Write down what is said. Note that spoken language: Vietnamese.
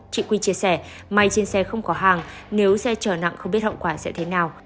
chị quy chia sẻ may trên xe không có hàng nếu xe chở nặng không biết hậu quả sẽ thế nào